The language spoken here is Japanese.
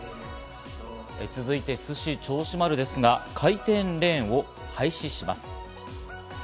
続いて、すし銚子丸ですが回転レーンを廃止します。